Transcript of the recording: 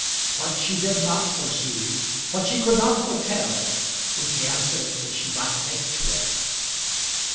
What she did not foresee, what she could not foretell, was the answer which she might make to it!